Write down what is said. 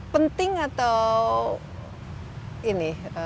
penting atau ini